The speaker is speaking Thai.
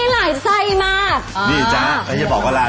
แล้วมีหลายไส้มาก